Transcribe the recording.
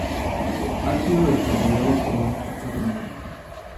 Ha sido desarrollado por un equipo rumano.